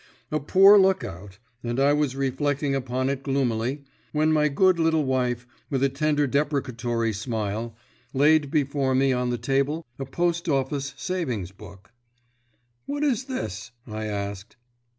A poor look out, and I was reflecting upon it gloomily, when my good little wife, with a tender deprecatory smile, laid before me on the table a Post Office savings book. "What is this?" I asked.